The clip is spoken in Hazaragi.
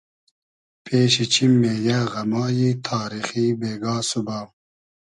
پېشی چیم مې یۂ غئمای تاریخی بېگا سوبا